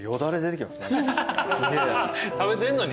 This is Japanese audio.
食べてんのに？